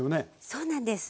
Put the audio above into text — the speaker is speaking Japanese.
そうなんです。